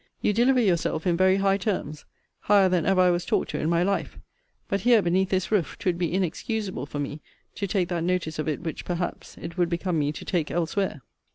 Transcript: You deliver yourself in very high terms. Higher than ever I was talked to in my life. But here, beneath this roof, 'twould be inexcusable for me to take that notice of it which, perhaps, it would become me to take elsewhere.